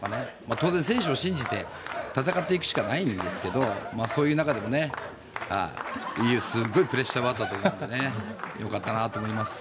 当然、選手を信じて戦っていくしかないんですけどそういう中でもすごいプレッシャーがあったと思うのでよかったなと思います。